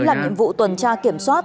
là nhiệm vụ tuần tra kiểm soát